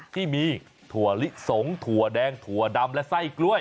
ที่มีถั่วลิสงถั่วแดงถั่วดำและไส้กล้วย